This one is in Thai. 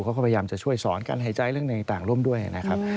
เขาก็พยายามจะช่วยสอนการหายใจเรื่องหนึ่งต่างร่วมด้วยนะครับ